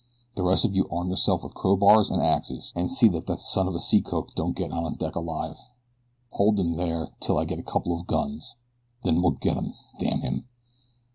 The rest of you arm yourselves with crowbars and axes, an' see that that son of a sea cook don't get out on deck again alive. Hold him there 'til I get a couple of guns. Then we'll get him, damn him!"